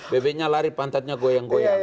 bebeknya lari pantatnya goyang goyang